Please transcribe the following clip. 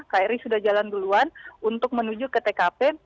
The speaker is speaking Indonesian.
kri sudah jalan duluan untuk menuju ke tkp